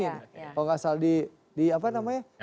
kalau nggak salah di apa namanya